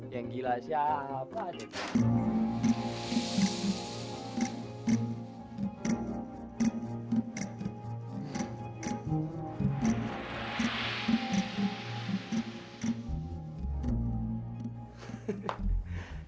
yang gila siapa deh